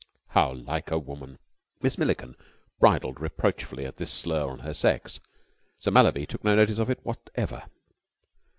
"How like a woman!" Miss Milliken bridled reproachfully at this slur on her sex. Sir Mallaby took no notice of it whatever.